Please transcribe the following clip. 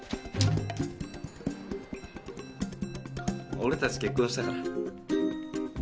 俺たち結婚したから。